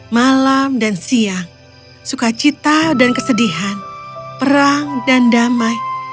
malam dan siang sukacita dan kesedihan perang dan damai